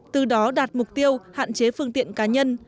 từ đó đạt mục tiêu hạn chế phương tiện cá nhân